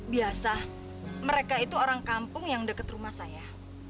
biasa mereka itu orang kampung yang dekat rumah saya